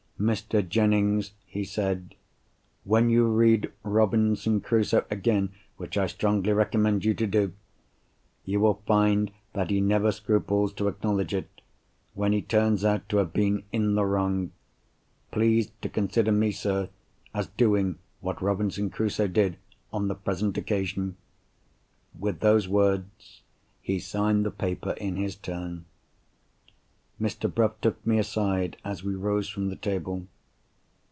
"Mr. Jennings," he said, "when you read Robinson Crusoe again (which I strongly recommend you to do), you will find that he never scruples to acknowledge it, when he turns out to have been in the wrong. Please to consider me, sir, as doing what Robinson Crusoe did, on the present occasion." With those words he signed the paper in his turn. Mr. Bruff took me aside, as we rose from the table.